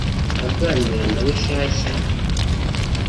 Aganira na Rushyashya